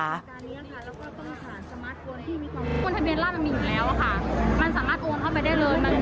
คุณทะเบียนราชมันมีอยู่แล้วค่ะมันสามารถโอ้มเข้าไปได้เลย